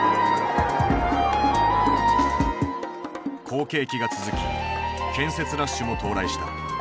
好景気が続き建設ラッシュも到来した。